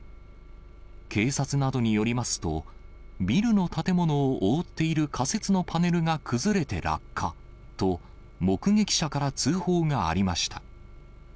警察などによりますと、ビルの建物を覆っている仮設のパネルが崩れて落下と、目撃者から通報がありました。